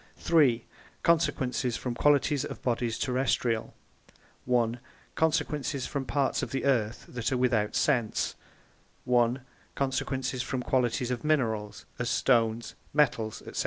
3) Consequences from Qualities of Bodies Terrestrial a) Consequences from parts of the Earth that are without Sense, 1] Consequences from Qualities of Minerals, as Stones, Metals, &c